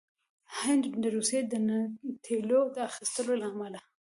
هند روسيې نه د تیلو د اخیستلو له امله